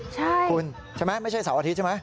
ใช่คุณใช่ไหมไม่ใช่เสาร์อาทิตย์ใช่ไหม